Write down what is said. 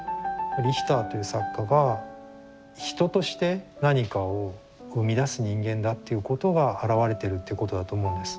リヒターという作家が人として何かを生み出す人間だっていうことがあらわれてるっていうことだと思うんです。